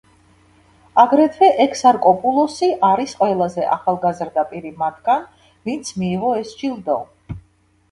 აგრეთვე ექსარკოპულოსი არის ყველაზე ახალგაზრდა პირი მათგან, ვინც მიიღო ეს ჯილდო.